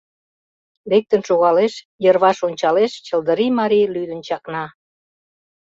Лектын шогалеш, йырваш ончалеш Чылдырий марий лӱдын чакна.